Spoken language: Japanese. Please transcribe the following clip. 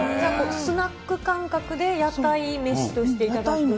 スナック感覚で屋台飯としていただける。